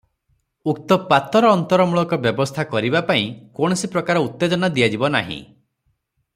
ଉକ୍ତ ପାତରଅନ୍ତରମୂଳକ ବ୍ୟବସ୍ଥା କରିବା ପାଇଁ କୌଣସି ପ୍ରକାର ଉତ୍ତେଜନା ଦିଆଯିବ ନାହିଁ ।